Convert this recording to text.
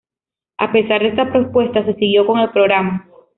A pesar de estas propuestas, se siguió con el programa.